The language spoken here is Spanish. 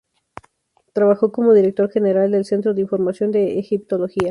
Trabajó como director general del Centro de información de egiptología.